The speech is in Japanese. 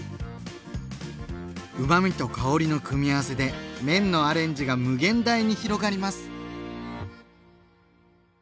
うまみと香りの組み合わせで麺のアレンジが無限大に広がります！